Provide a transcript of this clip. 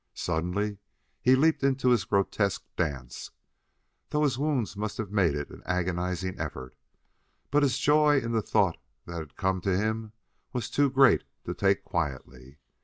Suddenly he leaped into his grotesque dance, though his wounds must have made it an agonizing effort, but his joy in the thought that had come to him was too great to take quietly.